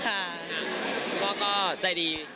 คุณพ่อก็ใจดี